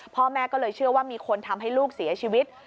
พ่อแม่ก็เลยเชื่อว่ามีคนทำให้ลูกเสียชีวิต